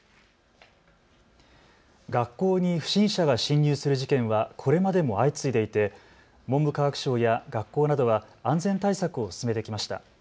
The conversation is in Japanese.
学校に不審者が侵入する事件はこれまでも相次いでいて文部科学省や学校などは安全対策を進めてきました。